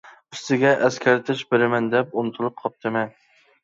ئۈستىگە ئەسكەرتىش بىرىمەن دەپ ئۇنتۇلۇپ قاپتىمەن.